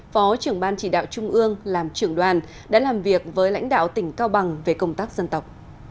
phó trưởng ban chỉ đạo trung ương làm trưởng đoàn đã làm việc với lãnh đạo tỉnh cao bằng về công tác dân tộc